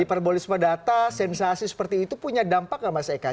hiperbolisme data sensasi seperti itu punya dampak nggak mas eka